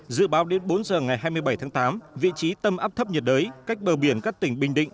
dự báo đến bốn giờ ngày hai mươi bảy tháng tám vị trí tâm áp thấp nhiệt đới cách bờ biển các tỉnh bình định